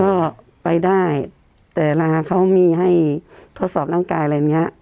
ก็ไปได้แต่เวลาเขามีให้ทดสอบร่างกายอะไรอย่างเงี้ย